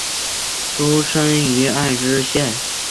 出身于爱知县。